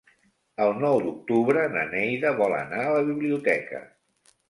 El nou d'octubre na Neida vol anar a la biblioteca.